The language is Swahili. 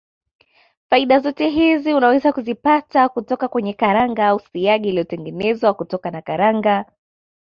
Faida zote hizi unaweza kuzipata kutoka kwenye karanga au siagi iliyotengenezwa kutokana na karanga